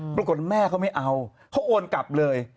แม่เขาไม่เอาเขาโอนกลับเลย